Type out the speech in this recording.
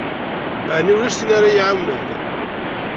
Ɛni ulac tin ara yi-iɛawnen?